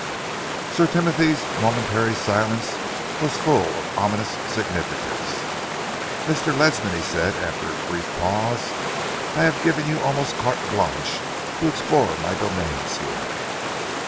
Sir Timothy's momentary silence was full of ominous significance. "Mr. Ledsam," he said, after a brief pause, "I have given you almost carte blanche to explore my domains here.